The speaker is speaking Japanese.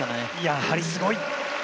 やはりすごい！